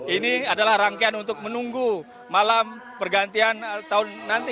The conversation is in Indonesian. ini adalah rangkaian untuk menunggu malam pergantian tahun nanti